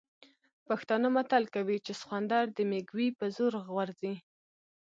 پښتانه متل کوي چې سخوندر د مېږوي په زور غورځي.